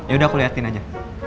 yaudah aku liatin aja